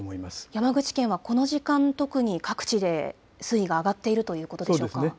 山口県はこの時間、各地で水位が上がっているということでしそうですね。